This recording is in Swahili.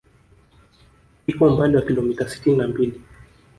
Iko umbali wa kilomita sitini na mbili